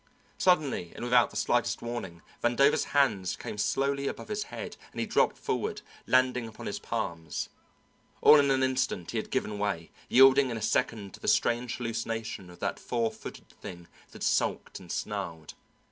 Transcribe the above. Suddenly and without the slightest warning Vandover's hands came slowly above his head and he dropped forward, landing upon his palms. All in an instant he had given way, yielding in a second to the strange hallucination of that four footed thing that sulked and snarled.